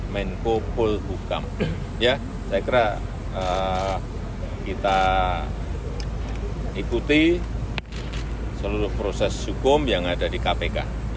menko polhukam ya saya kira kita ikuti seluruh proses hukum yang telah diperlukan oleh pak menko polhukam